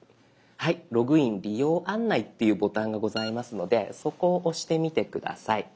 「ログイン・利用案内」っていうボタンがございますのでそこを押してみて下さい。